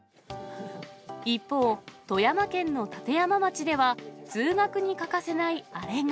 一方、富山県の立山町では、通学に欠かせないあれが。